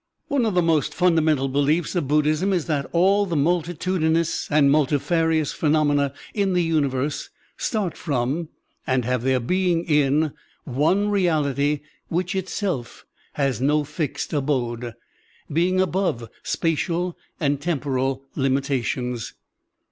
One of the most fundamental beliefs of Bud dhism is that all the mtiltitudinous and multi farious phenomena in the universe start from, and have their being in, one reality which itself has "no fixed abode," being above spatial and temporal limitations.